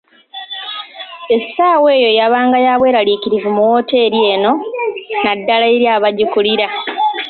Essaawa eyo yabanga ya bwelarikirivu mu wooteri eno, naddala eri abagikulira.